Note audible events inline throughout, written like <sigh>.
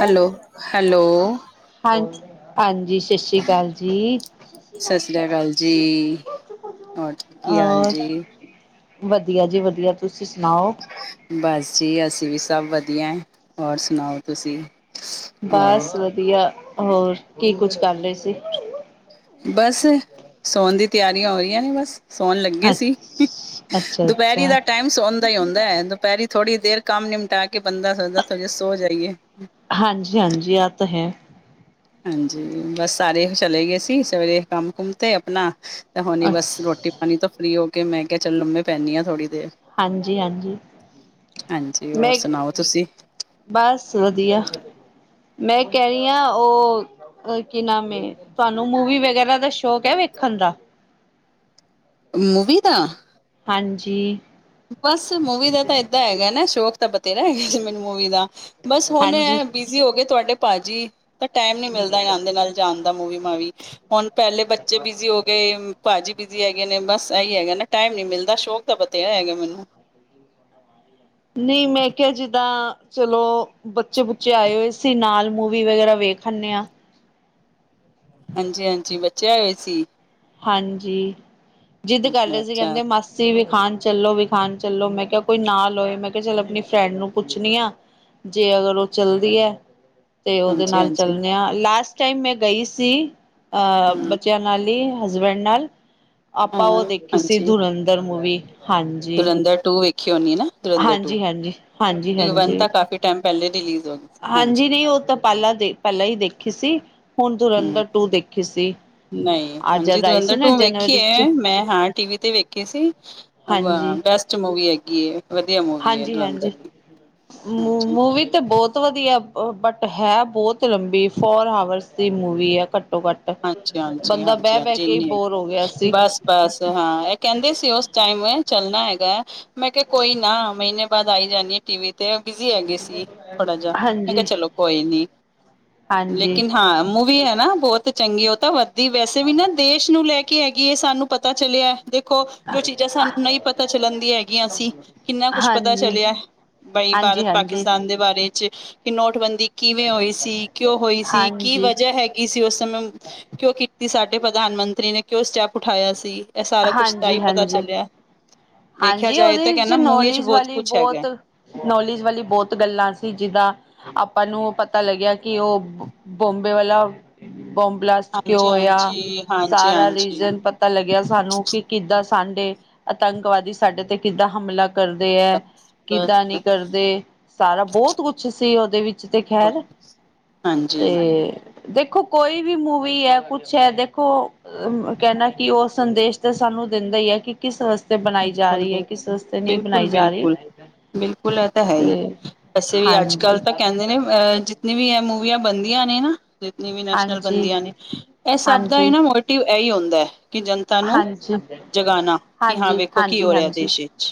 Hello hello ਹਾਂਜੀ ਹਾਂਜੀ ਸ ਸਤਿ ਸ੍ਰੀ ਅਕਾਲ ਜੀ ਹੋਰ ਕੀ ਹਾਲ ਔਰ ਜੀ ਵਧੀਆ ਜੀ ਵਧੀਆ ਤੁਸੀਂ ਸੁਣਾਓ ਬੱਸ ਜੀ ਅਸੀਂ ਵੀ ਸਭ ਵਧੀਆ ਹੈ ਹੋਰ ਸੁਣਾਓ ਤੁਸੀਂ ਹੋਰ ਬੱਸ ਵਧੀਆ ਹੋਰ ਕੀ ਕੁੱਝ ਕਰ ਰਹੇ ਸੀ। ਬੱਸ ਸੌਣ ਦੀ ਤਿਆਰੀਆਂ ਹੋ ਰਹੀਆਂ ਨੇ ਬੱਸ ਸੋਣ ਲੱਗੇ ਅੱ ਸੀ। ਅੱਛਾ ਦੁਪਹਿਰੀ ਅੱਛਾ ਦਾ ਟਾਈਮ ਸੋਣ ਦਾ ਹੀ ਹੁੰਦਾ ਹੈ। ਦਪਹਿਰੀ ਥੋੜੀ ਦੇਰ ਕੰਮ ਨਿਮਟਾ ਕੇ ਬੰਦਾ ਸਦਾ ਤੁੋ ਜੇ ਸੋ ਜਾਈਏ ਹਾਂਜੀ ਹਾਂਜੀ ਆਹ ਤਾਂ ਹੈ। ਹਾਂਜੀ ਬਸ ਸਾਰੇ ਇਹ ਚਲੇ ਗਏ ਸੀ ਸਵੇਰੇ ਕੰਮ ਕੁਮ ਤੇ ਆਪਣਾ ਤੇ ਹੁਣ ਬਸ ਰੋਟੀ ਅੱਛਾ ਪਾਣੀ ਤੋਂ ਫ੍ਰਰੀ ਹੋ ਕੇ ਮੈਂ ਕਿਹਾ ਚੱਲ ਲੰਮੇ ਪੈਂਦੀ ਹਾਂ ਥੋੜ੍ਹੀ ਦੇਰ ਹਾਂਜੀ ਹਾਂਜੀ ਹਾਂਜੀ ਹੋਰ ਮੈਂ ਸੁਣਾਓ ਤੁਸੀਂ ਬਸ ਵਧੀਆ ਮੈਂ ਕਹਿ ਰਹੀ ਹਾਂ ਉਹ ਅ ਕੀ ਨਾਮ ਹੈ ਤੁਹਾਨੂੰ ਮੂਵੀ ਵਗੈਰਾ ਦਾ ਸ਼ੌਕ ਹੈ। ਵੇਖਣ ਦਾ ਮੂਵੀ ਦਾ ਹਾਂਜੀ ਬਸ ਮੂਵੀ ਦਾ ਤਾਂ ਏਦਾਂ ਹੈਗਾ ਨਾ ਸ਼ੌਕ ਤਾਂ ਬਥੇਰਾ ਹੈਗਾ ਸੀ। ਮੈਨੂੰ ਮੂਵੀ ਦਾ ਬਸ ਹੁਣ ਹਾਂਜੀ ਐ ਵੀ ਹੋ ਗਏ ਤੁਹਾਡੇ ਭਾਜੀ ਤਾਂ ਟਾਈਮ ਨੀ ਮਿਲਦਾ। ਇਹ ਦੇ ਨਾਲ ਜਾਣ ਦਾ ਮੂਵੀ ਮਾਵੀ ਹੁਣ ਪਹਿਲੇ ਬੱਚੇ ਬਿਜੀ ਹੋ ਗਏ ਭਾਜੀ ਬਿਜ਼ੀ ਹੈਗੇ ਨੇ ਬਸ ਇਹੀ ਹੈਗਾ ਨਾ ਟਾਈਮ ਨੀ ਮਿਲਦਾ ਸ਼ੌਕ ਤਾਂ ਪੱਤਿਆ ਹੈਗਾ ਮੈਨੂੰ ਨਹੀਂ ਮੈਂ ਕਿਹਾ ਜਿੱਦਾਂ ਚਲੋ ਬੱਚੇ ਬੁੱਚੇ ਆਏ ਹੋਏ ਸੀ ਨਾਲ ਮੂਵੀ ਵਗੈਰਾ ਵੇਖ ਆਂਦੇ ਹਾਂ। ਹਾਂਜੀ ਹਾਂਜੀ ਬੱਚੇ ਆਏ ਹੋਏ ਸੀ। ਹਾਂਜੀ ਜਿੱਦ ਕਰਦੇ ਅਸੀਂ ਅੱਛਾ ਕਹਿੰਦੇ ਮਾਸੀ ਤੁਸੀਂ ਵਿਖਾਣ ਚੱਲੋ ਵਿਖਾਣ ਚੱਲੋ ਮੈਂ ਕਿਹਾ ਕੋਈ ਨਾ ਲੋਏ ਮੈਂ ਕਿਹਾ ਚੱਲ ਆਪਣੀ ਫਰੈਂਡ ਨੂੰ ਪੁੱਛਣੀ ਆ ਜੇ ਅਗਰ ਉਹ ਚੱਲਦੀ ਹੈ। ਤੇ ਉਹਦੇ ਹਾਂਜੀ ਨਾਲ ਹਾਂਜੀ ਚੱਲਣਾ ਆ ਲਾਸਟ ਟਾਈਮ ਮੈਂ ਗਈ ਸੀ ਆ ਹਮ ਬੱਚਿਆਂ ਨਾਲ ਹੀ ਹਸਬੈਂਡ ਨਾਲ ਹਾਂ ਆਪਾਂ ਉਹ ਦੇਖੀ ਸੀ ਦੁਰੰਦਰ ਮੂਵੀ ਹਾਂਜੀ ਦੁਰੰਦਰ ਟੂ ਵੇਖੀ ਹੋਣੀ ਨਾ ਦੁਰੰਦਰ ਟੂ ਹਾਂਜੀ ਹਾਂਜੀ ਹਾਂਜੀ ਕਿਉਂ ਵੰਨ ਹਾਂਜੀ ਤਾਂ ਕਾਫੀ ਟਾਈਮ ਪਹਿਲੇ ਰਿਲੀਜ਼ ਹੋ ਗਈ ਹਾਂਜੀ ਨਹੀਂ ਉਹ ਤਾਂ ਪਹਿਲਾਂ ਦੇ ਪਹਿਲਾਂ ਹੀ ਦੇਖੀ ਸੀ ਹੁਣ ਹਮ ਦੁਰਅੰਦਰ ਟੂ ਦੇਖੀ ਸੀ। ਨਹੀਂ ਆ ਹਾਂਜੀ ਜਦ ਆਈ ਸੀ ਦੁਰੰਦਰ ਟੂ ਨਾ ਤੋਂ ਵੇਖੀ ਜਨਵਰੀ ਚ ਮੈਂ ਹਾਂ ਟੀਵੀ ਤੇ ਵੇਖੀ ਸੀ। ਹਾਂਜੀ ਬੈਸਟ ਮੂਵੀ ਹੈਗੀ ਵਧੀਆ ਮੂਵੀ ਏ ਹਾਂਜੀ ਧੁਰੰਦਰ ਹਾਂਜੀ ਵੀ ਹਾਂਜੀ। ਮੂਵੀ ਤੇ ਬਹੁਤ ਵਧੀਆ ਬਟ ਹੈ ਬਹੁਤ ਲੰਬੀ ਫੋਰ ਆਵਰਸ ਦੀ ਮੂਵੀ ਹੈ ਘੱਟੋ ਘੱਟ ਅੱਛਾ ਹਾਂਜੀ ਹਾਂਜੀ ਬੰਦਾ ਹਾਂਜੀ ਬਹਿ ਬਹਿ ਹਾਂਜੀ ਕੇ ਹੀ ਇੰਨੀ ਬੋਰ ਹੋ ਗਿਆ ਹੈਗੀ ਸੀ ਬਸ ਬਸ ਹਾਂ ਇਹ ਕਹਿੰਦੇ ਸੀ ਉਸ ਟਾਈਮ ਮੈਂ ਚੱਲਣਾ ਹੈਗਾ ਮੈਂ ਕਿਹਾ ਕੋਈ ਨਾ ਮਹੀਨੇ ਬਾਅਦ ਆਈ ਜਾਂਦੀ ਆ ਟੀ ਵੀ ਤੇ ਬਿਜੀ ਹੈ ਗੇਏ ਸੀ ਥੋੜਾ ਜਿਹਾ ਮੈਂ ਕਿਹਾ ਹਾਂਜੀ ਚਲੋ ਕੋਈ ਨੀ ਹਾਂਜੀ ਲੇਕਿਨ ਹਾਂ ਮੂਵੀ ਹੈ ਨਾ ਬਹੁਤ ਤੇ ਚੰਗੀ ਉਹ ਤਾਂ ਵੱਧਦੀ ਵੈਸੇ ਵੀ ਨਾ ਦੇਸ਼ ਨੂੰ ਲੈ ਕੇ ਹੈਗੀ ਹੈ ਸਾਨੂੰ ਪਤਾ ਚਲਿਆ ਦੇਖੋ ਜੋ ਚੀਜ਼ਾਂ ਸਾਨੂੰ ਹਾਂਜੀ ਨਹੀਂ ਪਤਾ ਚੱਲਣਦੀਆਂ ਹੈਗੀਆਂ ਸੀ ਕਿੰਨਾ ਕੁਛ ਪਤਾ ਹਾਂਜੀ ਚੱਲਿਆ ਬਾਈ ਹਾਂਜੀ ਭਾਰਤ ਪਾਕਿਸਤਾਨ ਦੇ ਬਾਰੇ ਚ ਕਿ ਨੋਟਬੰਦੀ ਕਿਵੇਂ ਹੋਈ ਸੀ ਕਿਉਂ ਹੋਈ ਸੀ ਕੀ ਹਾਂਜੀ ਵਜਾ ਹੈਗੀ ਸੀ ਉਸ ਕਿਉਂ ਕੀਤੀ ਸਾਡੇ ਪ੍ਰਧਾਨ ਮੰਤਰੀ ਨੇ ਕਿਉਂ ਸਟੈਪ ਉਠਾਇਆ ਸੀ। ਇਹ ਸਾਰਾ ਕੁਛ ਤਾਂ ਹੀ ਹਾਂਜੀ ਪਤਾ ਹਾਂਜੀ ਚੱਲਿਆ ਵੇਖਿਆ ਹਾਂਜੀ ਜਾਏ ਉਹਦੇ ਤਾਂ ਵਿੱਚ ਕਹਿੰਦਾ ਮੂਵੀ ਚ ਨੌਲੇਜ ਬਹੁਤ ਵਾਲੀ ਕੁਛ ਹੈਗਾ ਬਹੁਤ ਨੌਲੇਜ ਵਾਲੀ ਬਹੁਤ ਗੱਲਾਂ ਸੀ ਜਿੱਦਾਂ ਆਪਾਂ ਨੂੰ ਪਤਾ ਲੱਗਿਆ ਕਿ ਉਹ ਬੋਮਬੇ ਵਾਲਾ ਬੋਮ ਬਲਾਸਟ ਕਿ ਹਾਂਜੀ ਹੋਇਆ ਹਾਂਜੀ ਹਾਂਜੀ ਸਾਰਾ ਹਾਂਜੀ ਰੀਜਨ ਪਤਾ ਪਤਾ ਲੱਗਿਆ ਸਾਨੂੰ ਕਿ ਕਿੱਦਾਂ ਸਾਡੇ ਆਤੰਕਵਾਦੀ ਸਾਡੇ ਤੇ ਕਿੱਦਾਂ ਹਮਲਾ ਕਰਦੇ ਹੈ। ਬਸ ਬਸ ਬਸ ਕਿੱਦਾਂ ਨੀ ਬਸ ਕਰਦੇ ਸਾਰਾ ਬਹੁਤ ਕੁਛ ਸੀ ਉਹਦੇ ਵਿੱਚ ਤੇ ਖੈਰ ਹਾਂਜੀ ਤੇ ਦੇਖੋ ਕੋਈ ਵੀ ਮੂਵੀ ਹੈ ਕੁਛ ਹੈ ਦੇਖੋ ਕਹਿਣਾ ਕਿ ਉਹ ਸੰਦੇਸ਼ ਤਾਂ ਸਾਨੂੰ ਦਿੰਦਾ ਹੀ ਹੈ ਕਿ ਕਿਸ ਰਸਤੇ ਬਣਾਈ ਜਾ ਬਿਲਕੁਲ ਰਹੀ ਹੈ ਬਿਲਕੁਲ ਕਿਸੇ ਰਸਤੇ ਨਹੀਂ ਬਿਲਕੁਲ ਬਣਾਈ ਜਾ ਰਹੀ ਬਿਲਕੁਲ ਬਿਲਕੁਲ ਇਹ ਤਾਂ ਹੈ ਹੀ ਤੇ ਵੈਸੇ ਵੀ ਅੱਜ ਹਾਂਜੀ ਕੱਲ ਤਾਂ ਕਹਿੰਦੇ ਨੇ ਜਿੰਨੇ ਮੂਵੀਆਂ ਬਣਦੀਆਂ ਨੇ ਨਾ ਜਿਨੀ ਵੀ ਨੈਸ਼ਨਲ ਹਾਂਜੀ ਬੰਦੀਆਂ ਨੇ ਇਹ ਸਭ ਦਾ ਇਹ ਹਾਂਜੀ ਨਾ ਮੋਟਿਵ ਇਹੀ ਹੁੰਦਾ ਹੈ ਕਿ ਜਨਤਾ ਨੂੰ ਹਾਂਜੀ ਜਗਾਉਣਾ ਕਿ ਹਾਂ ਹਾਂਜੀ ਵੇਖੋ ਕੀ ਹਾਂਜੀ ਹੋ ਰਿਹਾ ਹਾਂਜੀ ਦੇਸ਼ ਵਿੱਚ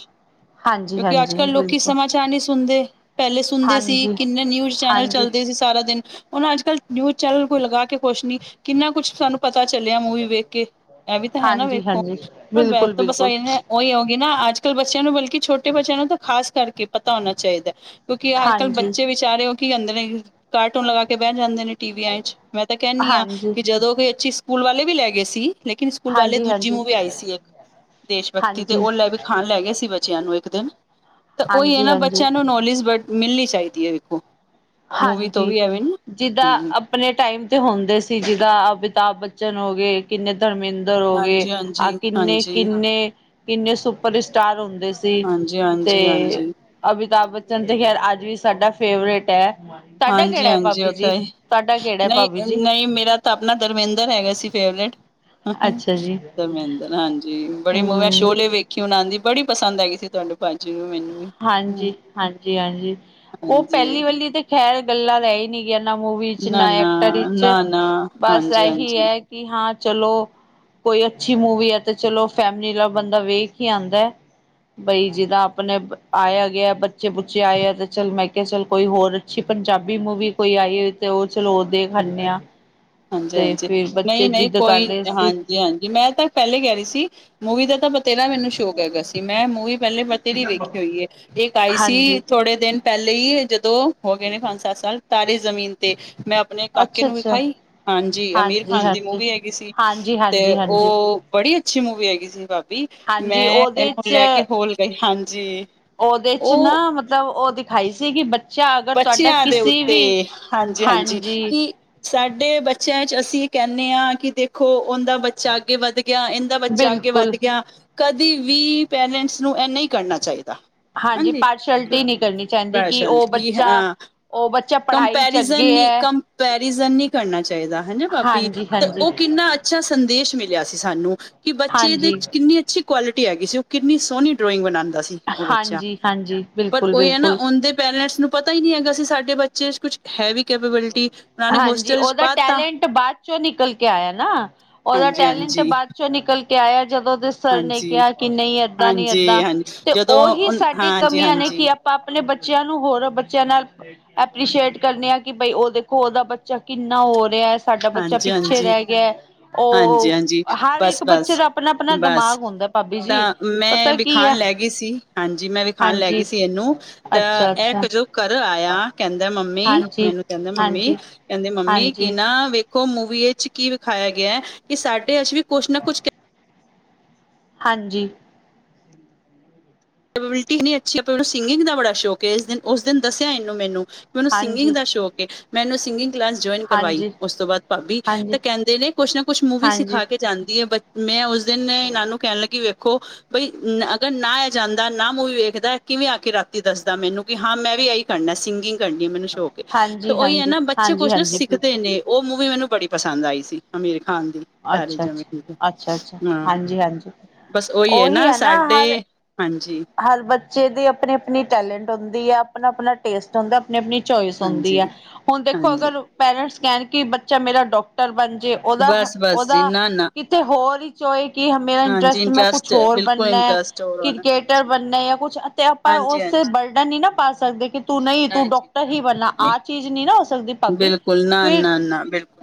ਹਾਂਜੀ ਕਿਉਂਕਿ ਅੱਜ ਹਾਂਜੀ ਕੱਲ ਲੋਕੀ ਬਿਲਕੁਲ ਸਮਾਚਾਰ ਨਹੀਂ ਸੁਣਦੇ ਪਹਿਲੇ ਸੁਣਦੇ ਸੀ ਹਾਂਜੀ ਕਿੰਨੇ ਨਿਊਜ਼ ਚੈਨਲ ਹਾਂਜੀ ਚੱਲਦੇ ਸੀ ਸਾਰਾ ਦਿਨ ਉਹਨਾਂ ਅੱਜ ਕੱਲ ਨਿਊਜ਼ ਚੈਨਲ ਕੋਈ ਲਗਾ ਕੇ ਕੁਛ ਨੀ ਕਿੰਨਾ ਕੁਛ ਸਾਨੂੰ ਪਤਾ ਚੱਲਿਆ ਮੂਵੀ ਵੇਖ ਕੇ ਇਹ ਵੀ ਤਾਂ ਹੈ ਨਾ ਹਾਂਜੀ ਵੇਖੋ ਹਾਂਜੀ ਬੈਂਸ ਬਿਲਕੁਲ ਬਿਲਕੁਲ ਭਸਾਈਆ ਉਹੀ ਹੋ ਗਗੀ ਨਾ ਅੱਜ ਕੱਲ ਬੱਚਿਆਂ ਨੂੰ ਬਲਕਿ ਛੋਟੇ ਬੱਚਿਆਂ ਨੂੰ ਤਾਂ ਖਾਸ ਕਰਕੇ ਪਤਾ ਹੋਣਾ ਚਾਹੀਦਾ ਕਿਉਂਕਿ ਅੱਜ ਕੱਲ ਹਾਂਜੀ ਬੱਚੇ ਵਿਚਾਰੇ ਹੋ ਕੀ ਕਹਿੰਦੇ ਨੇ ਕਾਰਟੂਨ ਲਗਾ ਕੇ ਬਹਿ ਜਾਂਦੇ ਨੇ ਟੀਵੀਆਂ ਵਿਚ ਮੈਂ ਤਾਂ ਕਹਿੰਦੀ ਹਾਂ ਹਾਂਜੀ ਕਿ ਜਦੋਂ ਵੀ ਅੱਛੀ ਪੂਲ ਵਾਲੇ ਵੀ ਲੈ ਗਏ ਸੀ। ਲੇਕਿਨ ਸਕੂਲ ਵਾਲੇ ਹਾਂਜੀ ਦੂਜੀ ਹਾਂਜੀ ਮੂਵੀ ਆਈ ਸੀ, ਇੱਕ ਦੇਸ਼ ਭਕਤੀ ਤੇ ਹਾਂਜੀ ਉਹ ਲੈ ਵੀ ਖਾਣ ਲੈ ਗਏ ਸੀ ਬੱਚਿਆਂ ਨੂੰ। ਤਾਂ ਉਹੀ ਹਾਂਜੀ ਹੈ ਨਾ, ਹਾਂਜੀ ਬੱਚਿਆਂ ਨੂੰ ਨੌਲੇਜ ਬ ਮਿਲਣੀ ਚਾਹੀਦੀ ਹੈ ਵਖੋ। ਹਾਂਜੀ। ਜਿਦਾਂ ਆਪਣੇ ਟਾਈਮ ਤੇ ਹੁੰਦੇ ਸੀ ਜਿੱਦਾਂ, ਅਮਿਤਾਭ ਬੱਚਨ ਹੋ ਗਏ, ਕਿੰਨੇ ਧਰਮਿੰਦਰ ਹੋ ਗਏ। ਹਾਂਜੀ ਆਹ ਹਾਂਜੀ ਕਿੰਨੇ- ਹਾਂਜੀ ਕਿੰਨੇ- ਕਿੰਨੇ ਸੁਪਰ ਸਟਾਰ ਹੁੰਦੇ ਸੀ। ਹਾਂਜੀ -ਹਾਂਜੀ- ਤੇ ਹਾਂਜੀ। ਅਮਿਤਾਭ ਬੱਚਨ ਤੇ ਖੈਰ ਅੱਜ ਵੀ ਸਾਡਾ ਫੇਵਰੇਟ ਹੈ। ਤੁਹਾਡਾ ਹਾਂਜੀ ਕਿਹੜਾ ਹੈ -ਹਾਂਜੀ। ਭਾਬੀ ਉਹ ਜੀ ਤਾਂ ਹੀ ਤੁਹਾਡਾ ਕਿਹੜਾ ਹੈ ਭਾਬੀ ਨਹੀਂ- ਜੀ ਨਹੀਂ ਮੇਰਾ ਤਾਂ ਆਪਣਾ ਧਰਮਿੰਦਰ ਹੈਗਾ ਸੀ ਫੇਵਰੇਟ। ਅੱਛਾ ਜੀ ਦਮਦਰ ਹਾਂਜੀ। ਬੜੀ ਮੂਵ ਹਮ ਸ਼ੋਲੇ ਵੇਖੀ ਉਹ ਆਉਂਦੀ ਬੜੀ ਪਸੰਦ ਆ ਗਈ ਸੀ ਤੁਹਾਡੇ ਭਾਅਜੀ ਨੂੰ ਮੈਨੂੰ ਵੀ। ਹਾਂਜੀ ਹਾਂਜੀ ਹਾਂਜੀ ਉਹ ਹਾਂਜੀ ਪਹਿਲੀ ਵਲੀ ਤੇ ਖੈਰ ਗੱਲਾਂ ਰਹਿ ਨਹੀਂ ਨਾ ਮੂਵੀ ਚ' ਨਾ ਐਕਟਰ ਵਿੱਚ, ਨਾ ਨਾ ਬਸ ਹਾਂਜੀ ਇਹੀ ਹਾਂਜੀ ਹੈ ਕਿ ਹਾਂ ਚਲੋ। ਕੋਈ ਅੱਛੀ ਮੂਵੀ ਆ ਤੇ ਚਲੋ ਫੈਮਿਲੀ ਨਾਲ ਬੰਦਾ ਵੇਖ ਹੀ ਆਉਂਦਾ ਹੈ। ਬਈ, ਜਿਦਾ ਆਪਣੇ ਆਇਆ- ਗਿਆ, ਬੱਚੇ- ਬੁੱਚੇ ਆਏ ਆ ਤੇ ਚੱਲ ਮੈਂ ਕਿਹਾ ਚੱਲ ਕੋਈ ਹੋਰ ਅੱਛੀ ਪੰਜਾਬੀ ਮੂਵੀ ਕੋਈ ਆਈ ਹੋ ਤੇ ਉਹ ਚਲੋ ਦੇਖਾਂਦੇ ਆ। ਹਾਂਜੀ- ਤੇ ਹਾਂਜੀ, ਫਿਰ ਨਹੀਂ- ਬੱਚੇ ਨਹੀਂ ਜਿੱਦ ਕਰ ਕੋਈ ਰਹੇ ਸੀ ਹਾਂਜੀ। ਜੀ ਹਾਂਜੀ। ਮੈਂ ਤਾਂ ਪਹਿਲੇ ਕਹਿ ਰਹੀ ਸੀ, ਮੂਵੀ ਦਾ ਤਾਂ ਬਥੇਰਾ ਮੈਨੂੰ ਸ਼ੌਕ ਹੈਗਾ ਸੀ। ਮੈਂ ਮੂਵੀ ਪਹਿਲੇ ਤੇਰੀ ਵੇਖੀ ਹੋਈ ਇੱਕ ਆਈ ਸੀ ਹਾਂਜੀ ਥੋੜੇ ਦਿਨ ਪਹਿਲੇ ਹੀ ਜਦੋਂ, ਹੋ ਗਏ ਨੇ ਪੰਜ- ਸੱਤ ਸਾਲ। ਤਾਰੇ ਜ਼ਮੀਨ ਤੇ ਮੈਂ। ਆਪਣੇ ਕਾਕੇ ਅੱਛਾ ਨੂੰ ਅੱਛਾ ਵਿਖਾਈ। ਹਾਂਜੀ। ਅਮੀਰ ਖਾਨ ਦੀ ਮੂਵੀ ਹੈਗੀ ਸੀ। ਹਾਂਜੀ ਤੇ ਹਾਂਜੀ ਹਾਂਜੀ ਉਹ ਬੜੀ ਅੱਛੀ ਮੂਵੀ ਹੈਗੀ ਸੀ ਭਾਬੀ। ਹਾਂਜੀ ਮੈਂ ਉਹਦੇ ਇਹਨੂੰ ਚ ਲੈ ਕੇ ਹੋਰ ਗਈ। ਹਾਂਜੀ। ਉਹਦੇ ਚ' ਨਾ, ਉਹ ਮਤਲਬ ਉਹ ਦਿਖਾਈ ਸੀਗੀ। ਬ ਬੱਚਿਆਂ ਦੇ ਉੱਤੇ, ਹਾਂਜੀ- ਹਾਂਜੀ। ਕਿ ਸਾਡੇ ਬੱਚਿਆਂ ਚ' ਅਸੀਂ ਕਹਿੰਦੇ ਹਾਂ ਕਿ ਦੇਖੋ, ਉਹਦਾ ਬੱਚਾ ਅੱਗੇ ਵੱਧ ਗਿਆ, ਇਹਦਾ ਬੱਚਾ ਅੱਗੇ ਬਿਲਕੁਲ ਵੱਧ ਗਿਆ। ਕਦੇ ਵੀ ਪੇਰੈਂਟਸ ਨੂੰ ਇਹ ਨਹੀਂ ਕਰਨਾ ਚਾਹੀਦਾ। ਹਾਂਜੀ, ਪਾਰਸ਼ਲਟੀ ਨਹੀਂ ਕਰਨੀ ਚਾਹੀਦੀ ਕਿ ਪੈਸ਼ਨ ਉਹ ਬੱਚ ਵੀ ਹਾਂ। ਕੰਪੈਰੀਜ਼ਨ ਅੱਗੇ ਨ, ਹੈ ਕੰਪੈਰੀਜ਼ਨ ਨਹੀਂ ਕਰਨਾ ਚਾਹੀਦਾ ਹਨ ਪਾਭੀ। ਹਾਂਜੀ ਤੇ ਹਾਂਜੀ ਉਹ ਕਿੰ ਕਿੰਨਾ ਅੱਛਾ ਸੰਦੇਸ਼ ਮਿਲਿਆ ਸੀ ਸਾਨੂੰ, ਕਿ ਬੱਚੇ ਦੇ ਹਾਂਜੀ ਕਿੰਨੀ ਅੱੀ ਕੁਆਲਿਟੀ ਹੈਗੀ ਸੀ, ਉਹ ਕਿੰਨੀ ਸੋਹਣੀ ਡਰਾਇੰਗ ਬਣਾਉਂਦਾ ਸੀ। ਉਹ ਬੱਚਾ, ਹਾਂਜੀ ਹਾਂਜੀ ਪਰ ਬਿਲਕੁਲ ਉਹ ਹੈ ਨਾ ਬਿਲਕੁਲ ਉਹਦੇ ਪੇਰੈਂਟਸ ਨੂੰ ਪਤਾ ਹੀ ਨਹੀਂ ਹੈਗਾ ਸੀ ਸਾਡੇ ਬੱਚੇ ਕੁਛ ਹੈ ਵੀ ਕੈਪੇਬਿਲਿਟੀ। ਨੇ ਹਾਂਜੀ। ਹੋਸਟਲ ਚ ਉਹਦਾ ਪਾਤਾ ਟੈਲੈਂਟ ਬਾਅਦ ਚੋਂ ਨਿਕਲ ਕੇ ਆਇਆ ਨਾ। ਉਹਦਾ ਹਾਂਜੀ ਟੈਲੈਂਟ ਹਾਂਜੀ ਬਾਅਦ ਚੋਂ ਨਿਕਲ ਕੇ ਆਇਆ। ਜਦੋਂ ਦੇ ਸਰ ਨੇ ਹਾਂਜੀ ਕਿਹਾ ਕਿ ਨਹੀਂ ਏਦਾਂ ਨੀ ਹਾਂਜੀ ਏਦਾਂ, ਹਾਂਜੀ ਤੇ ਜਦੋਂ ਉਹੀ ਸਾਡੀ ਹਾਂਜੀ ਕਮੀਆਂ ਨੇ ਹਾਂਜੀ ਕਿ ਆਪਾਂ ਆਪਣੇ ਬੱਚਿਆਂ ਨੂੰ ਹੋਰ ਬੱਚਿਆਂ ਨਾਲ, ਐਪ੍ਰਸ਼ੀਏਟ ਕਰਨੇ ਆ ਕਿ ਬਈ ਉਹਦੇ ਹੋ ਉਹਦਾ ਬੱਚਾ ਕਿੰਨਾ ਹੋ ਰਿਹਾ ਹੈ, ਸਾਡਾ ਬੱਚਾ ਹਾਂਜੀ ਪਿੱਛੇ ਹਾਂਜੀ ਰਹਿ ਗਿਆ ਹੈ। ਹਾਂਜੀ ਉਹ ਹਾਂਜੀ ਹਰ ਬਸ ਇੱਕ ਬੱਚੇ ਬਸ ਦਾ ਆਪਣਾ- ਆਪਣਾ ਬਸ ਦਿਮਾਗ ਹੁੰਦਾ ਭਾਬੀ ਜੀ। ਤਾਂ ਮੈਂ ਪਤਾ ਕੀ ਹੈ ਵਿਖਾਣ ਲੈ ਗਈ ਸੀ ਹਾਂਜੀ। ਮੈਂ ਵਿਖਾਣ ਲੈ ਗਈ ਹਾਂਜੀ ਸੀ ਇਹਨੂੰ, ਤਾਂ ਅੱਛਾ ਇਹ ਅੱਛਾ ਕ ਜੋ ਘਰ ਆਇਆ, ਕਹਿੰਦਾ ਮੰਮੀ, ਹਾਂਜੀ ਮੈਨੂੰ ਕਹਿੰਦਾ ਮੰਮੀ, ਹਾਂਜੀ ਕਹਿੰਦੇ ਮੰਮੀ ਕਿ ਹਾਂਜੀ ਨਾ ਵੇਖ ਓ ਮੂਵੀ ਚ' ਕੀ ਵਿਖਾਇਆ ਗਿਆ, ਹੈ ਕਿ ਸਾਡੇ ਅ ਵੀ ਕੁਛ ਨਾ ਕੁਛ ਹਾਂਜੀ। ਵਿਲਟੀਨੀ ਅੱਛੀਨ ਸਿੰਗਿੰਗ ਦਾ ਬੜਾ ਸ਼ੌਕ ਹੈ ਇਸ ਦਿਨ ਉਸ ਦਿਨ ਦੱਸਿਆ ਇਹਨੂੰ ਮੈਨੂੰ। ਮੈਨੂੰ ਸਿੰਗਿੰਗ ਹਾਂਜੀ ਦਾ ਸ਼ੌਕ ਹੈ, ਮੈਨੂੰ ਸਿੰਗਿੰਗ ਕਲਾਸ ਜੁਆਇਨ ਕਰਵਾਈ, ਹਾਂਜੀ, ਉਸ ਤੋਂ ਬਾਅਦ ਭਾਬੀ ਹਾਂਜੀ, ਤਾਂ ਕਹਿੰਦੇ ਨੇ, ਕੁਛ ਨਾ ਕੁਛ ਮੂਵੀ ਹਾਂਜੀ, ਸਿਖਾ ਕੇ ਜਾਂਦੀ ਹੈ, ਬ ਮੈਂ ਉਸ ਦਿਨ ਇਹਨਾਂ ਨੂੰ ਕਹਿਣ ਲੱਗੀ ਵੇਖੋ, ਬਈ ਅਗਰ ਨਾ ਜਾਂਦਾ ਨਾ ਮੂਵੀ ਵੇਖਦਾ ਕਿਵੇਂ ਆ ਕੇ ਰਾਤੀ ਦੱਸਦਾ ਮੈਨੂੰ, ਕਿ ਹਾਂ ਮੈਂ ਵੀ ਇਹੀ ਕਰਨਾ ਸਿੰਗਿੰਗ ਕਰਨੀ ਹੈ ਮੈਨੂੰ ਛੋਕ ਏ, ਹਾਂਜੀ, ਤੇ ਹਾਂਜੀ, ਉਹੀ ਹੈ ਨਾ ਬੱਚੇ ਹਾਂਜੀ, ਕੁੱਛ ਨਾ ਹਾਂਜੀ ਸਿੱਖਦੇ ਬਿਲਕੁਲ। ਨੇ। ਉਹ ਮੂਵੀ ਮੈਨੂੰ ਬੜੀ ਪਸੰਦ ਆਈ ਸੀ ਅਮੀਰ ਖਾਨ ਦੀ। ਸਾਰੇ ਅੱਛਾ, ਜਾਣੇ ਅੱਛਾ, ਠੀਕ, ਅੱਛਾ, ਅੱਛਾ, ਹਾਂ ਹਾਂਜੀ, ਹਾਂਜੀ। ਬਸ ਉਹੀ ਹੈ ਨਾ ਸਾਡੇ- ਹਾਂਜੀ ਹਰ ਬੱਚੇ ਦੀ ਆਪਣੀ ਆਪਣੀ ਟੈਲੈਂਟ ਹੁੰਦੀ ਹੈ ਆਪਣਾ- ਆਪਣਾ ਟੇਸਟ ਹੁੰਦਾ, ਆਪਣੀ -ਆਪਣੀ ਚੋਇਸ ਹੁੰਦੀ ਹੈ, ਹਾਂਜੀ ਹੁਣ ਦੇਖੋ ਹਾਂਜੀ ਅਗਰ ਪੇਰੈਂਟਸ ਕਹਿਣ ਕਿ ਬੱਚਾ ਮੇਰਾ ਡਾਕਟਰ ਬਣ ਜੇ ਉਹਦਾ, ਬਸ-ਬਸ ਜੀ ਉਹਦਾ ਨਾ-ਨਾ ਕਿਤੇ ਹੋਰ ਹੀ ਚੋਇਸ ਕਿ ਮੇਰਾ ਇੰਟਰਸਟ, ਮੈਂ ਕੁਛ ਹੋਰ ਬਣਨਾ ਚੋਰ ਨਾ ਬੰਨੇ ਜਾਂ ਕੁਛ ਅਤੇ ਆਪਾਂ ਉਸ ਤੇ ਬਰਡਨ ਨ ਨਾ ਪਾ ਸਕਦੇ <unintelligible> ਤੂੰ ਨਹੀਂ ਤੂੰ ਜੀ ਡਾਕਟਰ ਹੀ ਨਹੀਂ ਬਣਨਾ, ਬਿਲਕੁਲ ਆਹ ਚੀਜ਼ ਨਹੀਂ ਨਾ ਹੋ ਸਕਦੀ ਨਹੀਂ ਭਾਬੀ, ਬਿਲਕੁਲ ਫਿਰ ਨਾ-ਨਾ-ਨਾ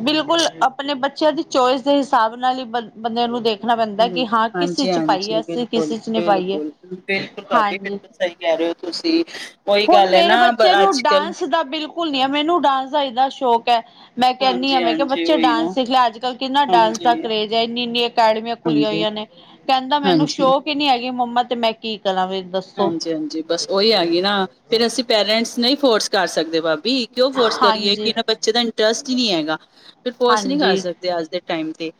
ਬਿਲਕੁਲ ਆਪਣੇ ਬੱਚਿਆਂ ਦੀ ਚੋਇਸ ਦੇ ਹਿਸਾਬ ਨਾਲ ਹੀ ਬ ਬੰਦਿਆਂ ਨੂੰ ਦੇਖ- ਦੇਖਣਾ ਪੈਂਦਾ ਕਿ ਹਾਂ ਕਿਸ ਚੀਜ਼ 'ਚ ਪਾਈਏ, ਹਾਂਜੀ-ਹਾਂਜੀ ਅਸੀਂ ਕਿਸ ਬਿਲਕੁਲ-ਬਿਲਕੁਲ ਚੀਜ਼ ਨੇ ਪਾਈਏ ਬਿਲਕੁਲ ਬਿਲਕੁਲ ਬਿਲਕੁਲ ਭਾਬੀ, ਹਾਂਜੀ ਬਿਲਕੁਲ ਸਹੀ ਕਹਿ ਰਹੇ ਹੋ ਤੁਸੀਂ, ਉਹੀ ਹੁਣ ਗੱਲ ਹੈ ਮੇਰੇ ਨਾ ਬੱਚੇ ਅੱਜ ਨੂੰ -ਕੱਲ ਡਾਂਸ ਦਾ ਬਿਲਕੁਲ ਨੀ ਹੈ, ਮੈਨੂੰ ਡਾਂਸ ਦਾ ਇੰਨਾ ਸ਼ੌਕ ਹੈ ਮੈਂ ਕਹਿੰਦੀ ਹਾਂ ਮੈ ਕਿ ਹਾਂਜੀ-ਹਾਂਜੀ ਬੱਚੇ ਉਹੀ ਨਾ ਡਾਂਸ ਸਿੱਖ ਲਿਆ, ਅੱਜ- ਕੱਲ੍ਹ ਕਿੰਨਾ ਡਾਂਸ ਦਾ ਕਰੇਜ ਹੈ, ਇੰਨੀ -ਇੰਨੀ ਅਕੈਡਮੀਆਂ ਖੁੱਲ੍ਹੀਆਂ ਹੋਈਆਂ ਹਾਂਜੀ-ਹਾਂਜੀ-ਹਾਂਜੀ ਨੇ ਕਹਿੰਦਾ ਮੈਨੂੰ ਸ਼ੌਕ ਹੀ ਨੀ ਹੈਗੀ, ਮੰਮਾ ਤੇ ਮੈਂ ਕੀ ਕਰਾਂ ਵੀ ਦ ਹਾਂਜੀ- ਹਾਂਜੀ ਬਸ ਉਹੀ ਹੈਗੀ ਨਾ, ਫਿਰ ਅਸੀਂ ਪੇਰੈਂਟਸ ਨਹੀਂ ਫੋਰਸ ਕਰ ਸਕਦੇ ਬਾਅਦ ਵੀ ਕਿਉਂ ਫੋਰਸ ਕਰੀਏ, ਕਿ ਹਾਂਜੀ। ਇਹਨਾਂ ਬੱਚੇ ਦਾ ਇੰਟਰਸਟ ਹੀ ਨਹੀਂ ਹੈਗਾ ਫਿਰ ਫੋਰਸ ਨਹੀਂ ਹਾਂਜੀ ਕਰ ਹਾਂਜੀ ਸਕਦੇ ਅੱਜ ਦੇ ਟਾਈਮ ਤੇ,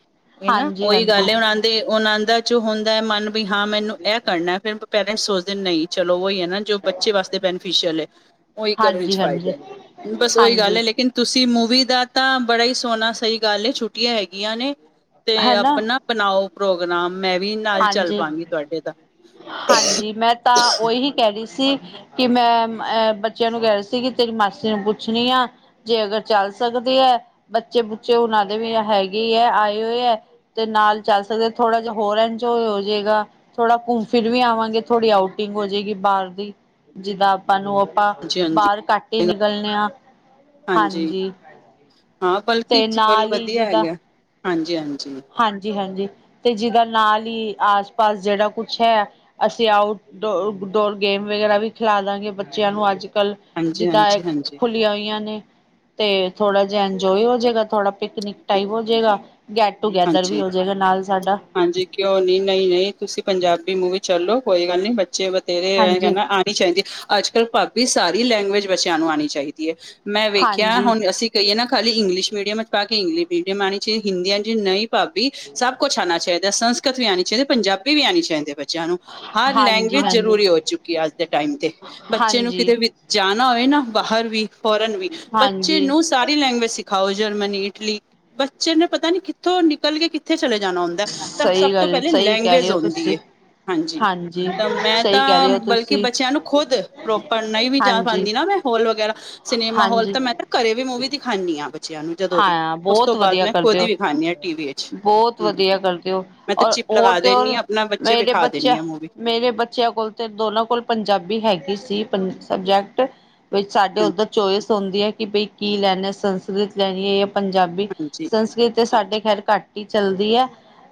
ਹਨਾ ਹਾਂਜੀ ਉਹੀ ਹਾਂਜੀ ਗੱਲ ਹੈ ਹੁਣ ਦੇ ਆਨੰਦਾਂ 'ਚ ਹੁੰਦਾ ਹੈ ਮਨ ਵੀ, ਹਾਂ ਮੈਨੂੰ ਇਹ ਕਰਨਾ, ਫਿਰ ਪੈਰੈਂਟਸ ਸੋਚ ਨਹੀਂ, ਚਲੋ ਉਹੀ ਹੈ ਨਾ ਜੋ ਬੱਚੇ ਵਾਸਤੇ ਬੈਨੀਫਿਸ਼ਅਲ ਹੈ, ਉਹੀ ਕਰਨ 'ਚ ਹਾਂਜੀ ਫਾਇਦਾ, ਬਸ ਉਹੀ ਗੱਲ ਹਾਂਜੀ। ਹੈ ਲੇਕਿਨ ਤੁਸੀਂ ਮੂਵੀ ਦਾ ਤਾਂ ਬੜਾ ਹੀ ਸੋਹਣਾ ਸਹੀ ਗੱਲ ਛੁੱਟੀਆਂ ਹੈਗੀਆਂ ਨੇ, ਤੇ ਹੈਨਾ ਆਪਣਾ ਬਣਾਓ ਪ੍ਰੋਗਰਾਮ, ਮੈਂ ਵੀ ਨਾਲ ਚੱਲ ਹਾਂਜੀ ਪਵਾਂਗੀ ਤੁਹਾਡੇ ਨਾਲ ਹਾਂਜੀ ਮੈਂ ਤਾਂ, ਉਹੀ ਕਹਿ ਰਹੀ ਸੀ ਕਿ ਮੈਂ, ਅਹ ਬੱਚਿਆਂ ਨੂੰ ਕਹਿ ਰਹੀ ਸੀ ਕਿ ਤੇਰੀ ਮਾਸੀ ਨੂੰ ਪੁੱਛਣੀ ਆ ਜੇ ਅਗਰ ਚੱਲ ਸਕਦੇ ਹੈ, ਬੱਚੇ ਬੁੱਚੇ ਉਹਨਾਂ ਦੇ ਵੀ ਹੈਗੇ ਹੈ, ਆਏ ਹੋਏ ਹੈ ਤੇ ਨਾਲ ਚੱਲ ਸਕਦੇ, ਥੋੜਾ ਜਿਹਾ ਹੋਰ ਐ ਹੋ ਜਾਏਗਾ, ਥੋੜਾ ਘੁੰਮ ਫਿਰ ਵੀ ਆਵਾਂਗੇ, ਥੋੜ੍ਹੀ ਆਊਟਿੰਗ ਹੋ ਜਾਏਗੀ ਬਾਹਰ ਦੀ ਜਿੱਦਾਂ ਆਪਾਂ ਨੂੰ ਆਪਾਂ, ਹਾਂਜੀ-ਹਾਂਜੀ ਬਾਹਰ ਘੱਟ ਹੀ ਨਿਕਲਣੇ ਆਂ ਹਾਂਜੀ, ਹਾਂ ਬਲਕੀ ਤੇ 'ਚ ਬਲ ਨਾਲ ਵਧੀਆ ਹੈਗਾ, ਹਾਂਜੀ- ਹਾਂਜੀ ਹਾਂਜੀ- ਹਾਂਜੀ, ਤੇ ਜਿਹਦਾ ਨਾਲ ਹੀ ਆਸ -ਪਾਸ ਜਿਹੜਾ ਕੁਛ ਹੈ ਅਸੀਂ ਆਊਟ ਡੋਰ ਗੇਮ ਵਗੈਰਾ ਵੀ ਖਿਲਾ ਦਵਾਂਗੇ ਬੱਚਿਆਂ ਨੂੰ ਅੱਜ ਕੱਲ੍ਹ ਹਾਂਜੀ ਜਿਦਾ ਹਾਂਜੀ ਹਾਂਜੀ ਖੁੱਲੀਆਂ ਹੋਈਆਂ ਨੇ ਤੇ ਥੋੜਾ ਜਿਹਾ ਇੰਜੋਏ ਹੋ ਜਾਏਗਾ, ਥੋੜਾ ਪਿਕਨਿਕ ਟਾਈਪ ਹੋ ਜਾਏਗਾ, ਗੈਟ ਟੂਗੈਦਰ ਹਾਂਜੀ ਵੀ ਹੋ ਜਾਏਗਾ ਨਾਲ ਸਾਡਾ ਹਾਂਜੀ, ਕਿਉਂ ਨੀ ਨਹੀਂ, ਨਹੀਂ ਤੁਸੀਂ ਪੰਜਾਬੀ ਮੂਵੀ ਚੱਲੋ ਕੋਈ ਗੱਲ ਨੀ ਬੱਚੇ ਬਥੇਰੇ ਹੋਣਗੇ ਹਾਂਜੀ ਆਉਣੀ ਚਾਹੀਦੀ, ਅੱਜ -ਕੱਲ੍ਹ ਭਾਬੀ ਸਾਰੀ ਲੈਂਗੁਏਜ ਬੱਚਿਆਂ ਨੂੰ ਆਉਣੀ ਚਾਹੀਦੀ ਹੈ, ਮੈਂ ਵੇਖਿਆ ਹਾਂਜੀ ਹੁਣ ਅਸੀਂ ਕਹੀਏ ਨਾ ਖਾਲੀ ਇੰਗਲਿਸ਼ ਮੀਡੀਅਮ ਪਾ ਕੇ ਇੰਗਲਿਸ਼ ਮੀਡੀਅਮ ਆਉਣੀ ਚਾਹੀਦੀ, ਹਿੰਦੀ ਆ ਨਈ ਭਾਬੀ ਸਭ ਕੁਛ ਆਉਣਾ ਚਾਹੀਦਾ, ਸੰਸਕ੍ਰਿਤ ਵੀ ਆਉਣੀ ਚਾਹੀਦੀ, ਪੰਜਾਬੀ ਵੀ ਆਉਣੀ ਚਾਹੀਦੀ ਹੈ ਬੱਚਿਆਂ ਨੂੰ, ਹਰ ਹਾਂਜੀ ਲੈਂਗੁਏਜ ਹਾਂਜੀ ਜ਼ਰੂਰੀ ਹੋ ਚੁੱਕੀ ਹੈ ਅੱਜ ਦੇ ਟਾਈਮ ਤੇ ਬੱਚੇ ਨੂੰ ਹਾਂਜੀ ਕਿਤੇ ਵੀ ਜਾਣਾ ਹੋਏ ਨਾ ਬਾਹਰ ਵੀ, ਫੋਰਨ ਵੀ, ਬੱਚੇ ਹਾਂਜੀ ਨੂੰ ਸਾਰੀ ਲੈਂਗੁਏਜ ਸਿਖਾਓ ਜਰਮਨੀ, ਇਟਲੀ, ਬੱਚੇ ਨੂੰ ਪਤਾ ਨੀ ਕਿੱਥੋਂ ਨਿਕਲ ਕੇ ਕਿੱਥੇ ਚਲੇ ਜਾਣਾ ਹੁੰਦਾ ਤਾਂ, ਸਭ ਸਹੀ ਤੋਂ ਗੱਲ ਪਹਿਲੇ ਸਹੀ ਕਹਿ ਰਹੇ ਲੈਂਗੁਏਜ ਹੋ ਹੁੰਦੀ ਤੁਸੀਂ ਹੈ ਹਾਂਜੀ, ਤਾਂ ਮੈਂ ਸਹੀ ਕਹਿ ਤਾਂ ਰਹੇ ਹੋ ਬਲਕਿ ਤੁਸੀਂ ਬੱਚਿਆਂ ਨੂੰ ਖੁਦ, ਪ੍ਰੋਪਰ ਨਹੀਂ ਵੀ ਜਾ ਹਾਂਜੀ ਪਾਉਂਦੀ ਨਾ, ਮੈਂ ਹੋਲ ਵਗੈਰਾ, ਸਿਨੇਮਾ ਹਾਲ ਹਾਂਜੀ ਤਾਂ ਮੈਂ ਤਾਂ ਘਰੇ ਵੀ ਮੂਵੀ ਦਿਖਾਉਂਦੀ ਹਾਂ ਬੱਚਿਆਂ ਨੂੰ ਜਦੋਂ ਦੀ, ਹਾਂ ਉਸ ਤੋਂ ਬਹੁਤ ਬਾਅਦ ਵਧੀਆ ਮੈਂ ਕਰਦੇ ਖੁਦ ਹੀ ਹੋ ਵਿਖਾਉਂਦੀ ਹਾਂ ਟੀਵੀ ਵਿਚ, ਬਹੁਤ ਹਮ, ਵਧੀਆ ਕਰਦੇ ਹੋ ਮੈਂ ਤੇ ਔਰ ਚਿਪ ਹੋਰ ਲਗਾ ਤੇ ਦਿੰਦੀ ਹੋਰ ਹਾਂ ਆਪਣਾ ਬੱਚੇ ਨੂੰ ਮੇਰੇ ਵਿਖਾ ਬੱਚਿਆਂ ਦਿੰਦੀ ਹਾਂ ਮੂਵੀ ਮੇਰੇ ਬੱਚਿਆਂ ਕੋਲ ਤੇ ਦੋਨਾਂ ਕੋਲ ਪੰਜਾਬੀ ਹੈਗੀ ਸੀ, ਸਬਜੈਕਟ, ਵਿਚ ਸਾਡੇ ਉਧਰ ਚੋਇਸ ਹੁੰਦੀ ਹੈ ਕਿ ਬਈ ਕੀ ਲੈਣਾ ਸੰਸਕ੍ਰਿਤ ਲੈਣੀ ਹੈ ਜਾਂ ਪੰਜਾਬੀ ਹਾਂਜੀ ਹਾਂਜੀ ਸੰਸਕ੍ਰਿਤ ਸਾਡੇ ਖੈਰ ਘੱਟ ਹੀ ਚੱਲਦੀ ਹੈ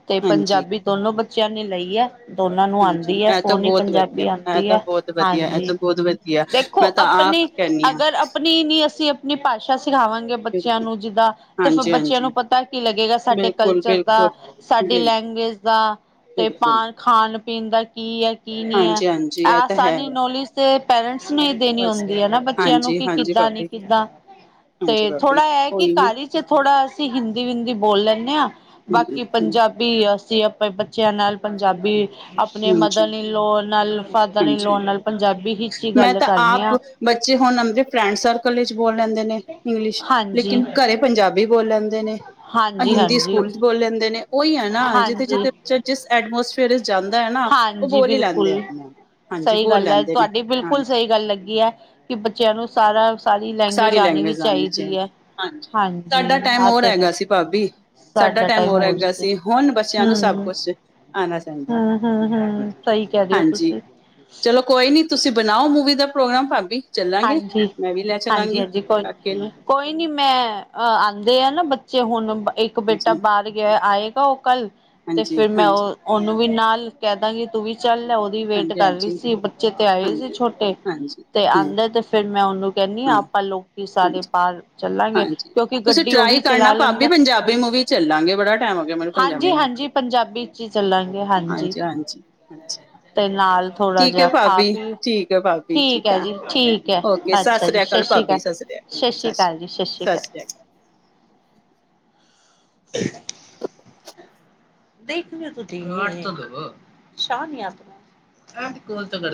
ਤੇ ਹਾਂਜੀ ਪੰਜਾਬੀ ਦੋਨੋਂ ਬੱਚਿਆਂ ਨੇ ਲਈ ਹੈ ਦੋਨਾਂ ਨੂੰ ਹਾਂਜੀ ਆਉਂਦੀ ਹੈ ਇਹ ਤਾਂ ਸੋਹਣੀ ਬਹੁਤ ਵਧੀਆ ਪੰਜਾਬੀ ਇਹ ਆਉਂਦੀ ਤਾਂ ਹੈ, ਬਹੁਤ ਵਧੀਆ ਇਹ ਹਾਂਜੀ। ਤਾਂ ਬਹੁਤ ਵਧੀਆ ਦੇਖੋ ਮੈਂ ਤਾਂ ਆਪ ਆਪਣੀ ਕਹਿੰਦੀ ਹਾਂ ਅਗਰ ਆਪਣੀ ਨੀ ਅਸੀਂ ਆਪਣੀ ਭਾਸ਼ਾ ਸਿਖਾਵਾਂਗੇ, ਬੱਚਿਆਂ ਨੂੰ ਜਿੱਦਾਂ ਤੇ ਫਿਰ ਹਾਂਜੀ ਬੱਚਿਆਂ ਨੂੰ ਹਾਂਜੀ ਪਤਾ ਕੀ ਲੱਗੇਗਾ ਸਾਡੇ ਬਿਲਕੁਲ ਕਲਚਰ ਦਾ। ਬਿਲਕੁਲ ਸਾਡੀ ਬਿਲਕੁਲ ਲੈਂਗਏਜ ਦਾ ਤੇ ਪਾ ਬਿਲਕੁਲ ਖਾਣ ਪੀਣ ਦਾ ਕੀ ਹੈ ਕੀ ਨਹੀਂ ਹੈ ਹਾਂਜੀ-ਹਾਂਜੀ ਇਹ ਤਾਂ ਹੈ ਸਾਰੀ ਨੋਲੇਜ ਤੇ ਪੇਰੈਂਟਸ ਨੂੰ ਹੀ ਦੇਣੀ ਬਸ ਹੁੰਦੀ ਹੈ ਨਾ ਬੱਚਿਆਂ ਨੂੰ ਕਿ ਹਾਂਜੀ-ਹਾਂਜੀ ਕਿੱਦਾਂ ਨੀ ਭਾਬੀ ਕਿੱਦਾਂ। <unintelligible> ਹਾਂਜੀ ਭਾਬੀ ਥੋੜ੍ਹਾ ਇਹ ਕਿ ਉਹੀ ਨਾ ਘਰ 'ਚ ਥੋੜਾ ਅਸੀਂ ਹਿੰਦੀ ਹਿੰਦੀ ਬੋਲ ਲੈਂਦੇ ਹਾਂ, ਬਾਕੀ ਪੰਜਾਬੀ। ਵੀ ਅਸੀਂ ਆਪਣੇ ਬੱਚਿਆਂ ਨਾਲ ਪੰਜਾਬੀ ਆਪਣੇ ਮਦਰ ਹਾਂਜੀ-ਹਾਂਜੀ ਲੋ ਨਾਲ। ਫਾਦਰ ਇਨ ਲਾ ਨਾਲ ਪੰਜਾਬੀ ਵਿਚ ਹੀ ਮੈਂ ਗੱਲ ਤਾਂ ਕਰਨੇ ਆਪ ਆ। ਬੱਚੇ ਹੁਣ ਅਪਣੇ ਫਰੈਂਡ ਸਰਕਲ ਵਿੱਚ ਬੋਲ ਲੈਂਦੇ ਨੇ ਇੰਗਲਿਸ਼, ਹਾਂਜੀ ਲੇਕਿਨ ਘਰੇ ਪੰਜਾਬੀ ਬੋਲ ਲੈਂਦੇ। ਹਾਂਜੀ ਹਿੰਦੀ ਹਾਂਜੀ ਸਕੂਲ ਚ ਬੋਲ ਲੈਂਦੇ ਨੇ ਉਹੀ ਹੈ ਨਾ ਜਿਥੇ ਹਾਂਜੀ ਜਿਥੇ। ਜਿਸ ਐਟਮੋਸਫੇਅਰ ਵਿੱਚ ਜਾਂਦਾ ਹੈ ਨਾ ਉਹ ਹਾਂਜੀ ਬੋਲ ਹੀ ਲੈਂਦੇ ਆ ਬਿਲਕੁਲ ਆਪਣੇ ਆਪ। ਹਾਂਜੀ ਸਹੀ ਬੋਲ ਗੱਲ ਹੈ ਲੈਂਦੇ ਨੇ ਤੁਹਾਡੀ ਹਾਂ ਬਿਲਕੁਲ ਸਹੀ ਗੱਲ ਲੱਗੀ ਹੈ ਕਿ ਬੱਚਿਆਂ ਨੂੰ ਸਾਰਾ। ਸਾਰੀ ਲੈਂਗੁਏਜ ਆਉਣੀ ਵੀ ਆਣੀ ਚਾਹੀਦੀ ਹੈ, ਸਾਡਾ ਹਾਂਜੀ ਟਾਈਮ ਆਹ ਹੋਰ ਤੇ ਹੈ। ਹੈਗਾ ਸੀ ਭਾਬੀ ਸਾਡਾ ਟਾਈਮ ਹੋਰ ਹੈਗਾ ਸੀ, ਹੁਣ ਬੱਚਿਆਂ ਨੂੰ ਸਭ ਹਮ। ਕੁਛ ਆਣਾ ਚਾਹੀਦਾ ਹਮ ਹਮ ਹਮ, ਸਹੀ ਕਿ ਰਹੇ ਹੋ ਹਾਂਜੀ ਤੁਸੀਂ। ਚਲੋ ਕੋਈ ਨੀ ਤੁਸੀਂ ਬਣਾਓ ਮੂਵੀ ਦਾ ਪ੍ਰੋਗਰਾਮ ਪੰਜਾਬੀ ਚੱਲਾਂਗੇ, ਹਾਂਜੀ। ਮੈਂ ਵੀ ਲੈ ਚੱਲਾਂਗੀ ਹਾਂਜੀ-ਹਾਂਜੀ ਕੋਈ ਕਾਕੇ ਨੂੰ। ਕੋਈ ਨੀ ਮੈਂ ਆਉਂਦੇ ਆ ਨਾ ਬੱਚੇ, ਹੁਣ ਇੱਕ ਬੇਟਾ ਹਾਂਜੀ ਬਾਹਰ। ਆਏਗਾ ਉਹ ਕੱਲ ਤੇ ਹਾਂਜੀ ਫਿਰ ਮੈਂ ਹਾਂਜੀ ਉਹ ਉਹਨੂੰ ਵੀ ਨਾਲ ਕਹਿ ਦਾਂਗੀ ਤੂੰ ਵੀ ਚੱਲ। ਵੇਟ ਹਾਂਜੀ ਕਰ ਰਹੀ ਹਾਂਜੀ ਸੀ ਬੱਚੇ ਤੇ ਆਏ ਸੀ ਹਾਂਜੀ ਛੋਟੇ, ਹਾਂਜੀ ਤੇ ਹੂੰ ਆਉਂਦੇ ਤੇ ਫਿਰ ਮੈਂ ਉਹਨੂੰ। ਕਹਿੰਨੀ ਹਾਂ ਆਪਾਂ ਲੋਕੀ ਸਾਰੇ ਹਾਂਜੀ ਪਾਰਕ ਚੱਲਾਂਗੇ ਹਾਂਜੀ ਕਿਉਂਕਿ ਤੁਸੀਂ ਗੱਡੀ ਉਹੀ ਟਰਾਈ ਕਰਨਾ ਚਲਾ ਭਾਬੀ ਲੈਂਦਾ। ਪੰਜਾਬੀ ਮੂਵੀ ਚੱਲਾਂਗੇ ਬੜਾ ਟਾਈਮ ਹੋ ਗਿਆ ਮੈਨੂੰ ਹਾਂਜੀ ਪੰਜਾਬੀ ਹਾਂਜੀ, ਮੂਵੀ ਪੰਜਾਬੀ 'ਚ ਹੀ ਚੱਲਾਂਗੇ ਹਾਂਜੀ। ਹਾਂਜੀ ਹਾਂਜੀ ਤੇ ਨਾਲ ਥੋੜਾ ਠੀਕ ਹੈ ਜਿਹਾ ਖਾ ਭਾਬੀ ਪੀ ਠੀਕ ਹੈ ਭਾਬੀ ਠੀਕ ਹੈ ਆ ਜੀ ਠੀਕ। ਓਕੇ ਅੱਛਾ ਜੀ, ਸ੍ਰੀ ਸਤਿ ਸ਼੍ਰੀ ਅਕਾਲ ਭਾਬੀ ਸਤਿ ਸ੍ਰੀ ਅਕਾਲ ਸਤਿ ਸ਼੍ਰੀ ਅਕਾਲ ਸ੍ਰੀ ਜੀ ਸਤਿ ਸ਼੍ਰੀ ਅਕਾਲ। ਸ੍ਰੀ <unintelligible> ਦੇਖ ਲ ਸ਼ਾਹ ਨ ਆ <inaudible>